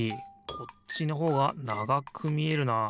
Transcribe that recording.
こっちのほうがながくみえるなあ。